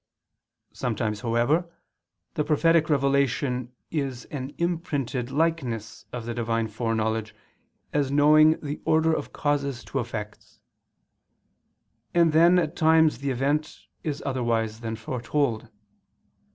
Sometimes, however, the prophetic revelation is an imprinted likeness of the Divine foreknowledge as knowing the order of causes to effects; and then at times the event is otherwise than foretold.